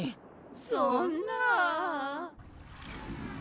そんな。